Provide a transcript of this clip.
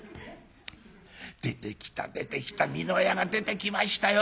出てきた出てきた美濃屋が出てきましたよ。